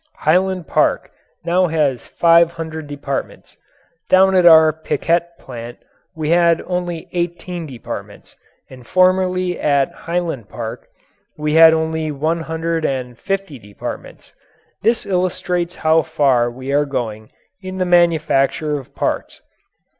Highland Park now has five hundred departments. Down at our Piquette plant we had only eighteen departments, and formerly at Highland Park we had only one hundred and fifty departments. This illustrates how far we are going in the manufacture of parts.